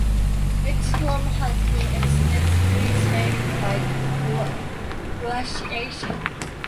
Its form has been extensively shaped by glaciation.